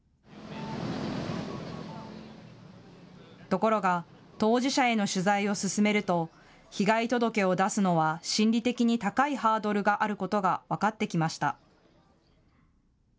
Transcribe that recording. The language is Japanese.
ところが、当事者への取材を進めると被害届を出すのは心理的に高いハードルがあることが分かってきました。